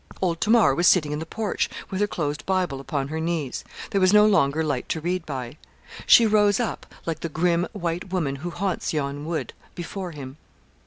Old Tamar was sitting in the porch, with her closed Bible upon her knees; there was no longer light to read by. She rose up, like the 'grim, white woman who haunts yon wood,' before him.